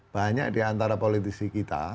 banyak diantara politisi kita